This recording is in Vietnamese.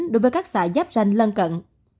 đối với các xã giáp tranh lân cận